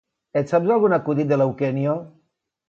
Et saps algun acudit de l'Eugenio?